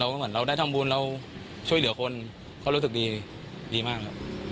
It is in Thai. เหมือนเราได้ทำบุญเราช่วยเหลือคนเขารู้สึกดีดีมากครับ